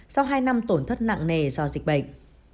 sau hai năm tổn thất nặng nề do dịch bệnh